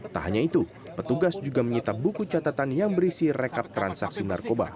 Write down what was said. tak hanya itu petugas juga menyita buku catatan yang berisi rekap transaksi narkoba